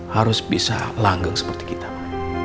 harus bisa langgeng seperti kita pak